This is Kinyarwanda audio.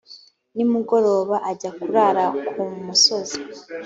nimugoroba ajya kurara ku musozi.